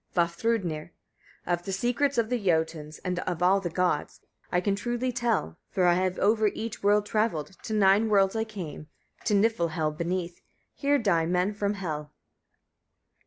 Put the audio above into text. Vafthrûdnir. 43. Of the secrets of the Jötuns and of all the gods, I can truly tell; for I have over each world travelled; to nine worlds I came, to Niflhel beneath: here die men from Hel.